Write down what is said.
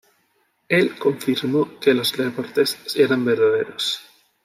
Él confirmó que los reportes eran verdaderos.